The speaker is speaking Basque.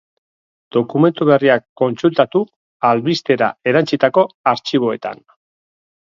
Dokumentu berriak kontsultatu albistera erantsitako artxiboetan.